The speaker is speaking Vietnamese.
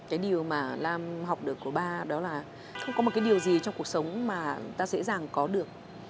cái điều mà lam học được của ba đó là không có một cái điều gì trong cuộc sống mà ta dễ dàng có được